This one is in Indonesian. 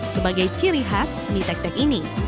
sebagai ciri khas mie tek tek ini